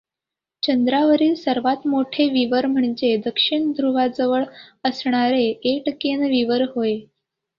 चंद्रावरील सर्वांत मोठे विवर म्हणजे दक्षिण ध्रुवाजवळ असणारे एटकेन विवर होय.